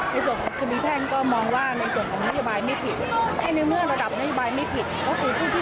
ในแต่ละขั้นตอนไปดูนาย่ามเหมารวมในส่วนของว่านโยบายมันผิดเลย